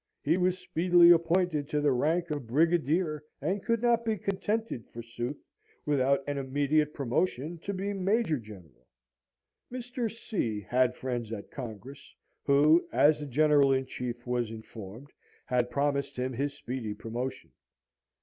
He was speedily appointed to the rank of brigadier, and could not be contented, forsooth, without an immediate promotion to be major general. Mr. C. had friends at Congress, who, as the General in Chief was informed, had promised him his speedy promotion.